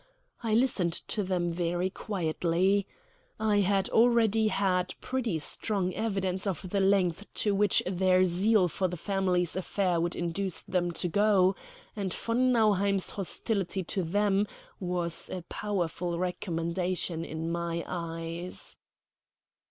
I listened to them very quietly. I had already had pretty strong evidence of the lengths to which their zeal for the family's affairs would induce them to go; and von Nauheim's hostility to them was a powerful recommendation in my eyes.